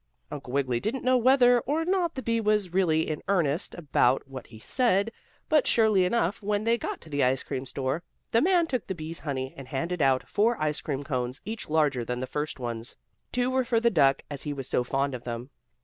Uncle Wiggily didn't know whether or not the bee was really in earnest about what he said, but, surely enough, when they got to the ice cream store, the man took the bee's honey, and handed out four ice cream cones, each larger than the first ones. Two were for the duck as he was so fond of them.